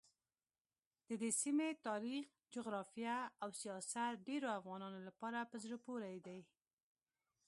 ددې سیمې تاریخ، جغرافیه او سیاست ډېرو افغانانو لپاره په زړه پورې دي.